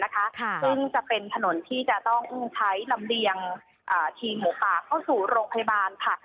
ซึ่งจะเป็นถนนที่จะต้องใช้ลำเลียงทีมหมูป่าเข้าสู่โรงพยาบาลค่ะ